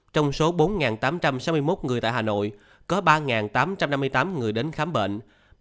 trong số bốn tám trăm sáu mươi một người tại hà nội có ba tám trăm năm mươi tám người đến khám bệnh